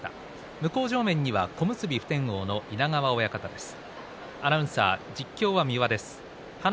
向正面には小結普天王の稲川親方です。